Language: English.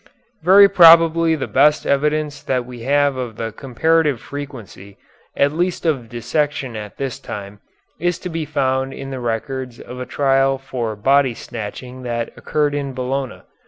Very probably the best evidence that we have of the comparative frequency at least of dissection at this time is to be found in the records of a trial for body snatching that occurred in Bologna.